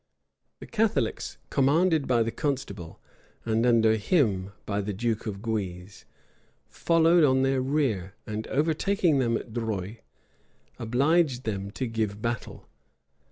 [*] The Catholics, commanded by the constable, and under him by the duke of Guise, followed on their rear; and overtaking them at Dreux, obliged them to give battle.